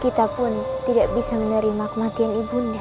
kita pun tidak bisa menerima kematian ibu bunda